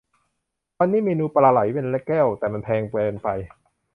วันนี้เมนูปลาไหลเป็นแก้ว แต่มันแพงเกินไป